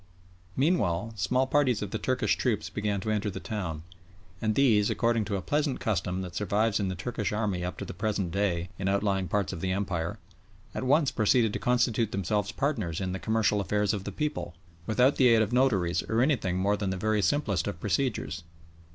Meanwhile small parties of the Turkish troops began to enter the town, and these, according to a pleasant custom that survives in the Turkish army up to the present day in outlying parts of the Empire, at once proceeded to constitute themselves partners in the commercial affairs of the people, without the aid of notaries or anything more than the very simplest of procedures.